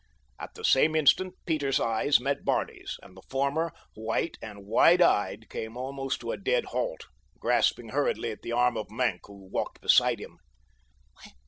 At the same instant Peter's eyes met Barney's, and the former, white and wide eyed came almost to a dead halt, grasping hurriedly at the arm of Maenck who walked beside him.